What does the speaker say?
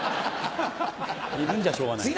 いるんじゃしょうがない。